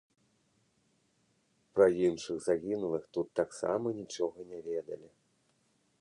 Пра іншых загінулых тут таксама нічога не ведалі.